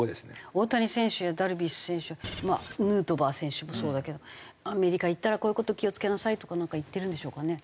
大谷選手やダルビッシュ選手はヌートバー選手もそうだけどアメリカ行ったらこういう事気を付けなさいとかなんか言ってるんでしょうかね？